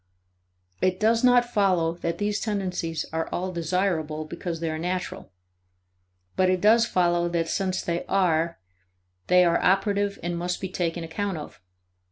It does not follow that these tendencies are all desirable because they are natural; but it does follow that since they are there, they are operative and must be taken account of.